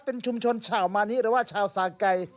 เป็นชุมชนชาวมานิหรือว่าชาวสาไก่